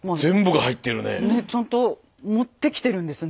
ちゃんと持ってきてるんですね。